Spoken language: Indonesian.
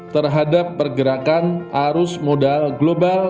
terhadap pergerakan arus modal global